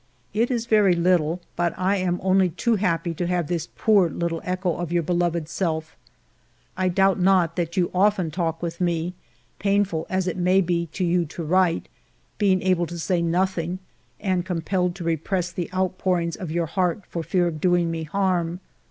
It is very little, but I am only too happy to have this poor little echo of your beloved self. I doubt not that you often talk with me, painful as it may be to you to write, being able to say nothing and compelled to re press the outpourings of your heart for fear of doing me harm.